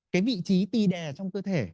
cái vị trí ti đè trong cơ thể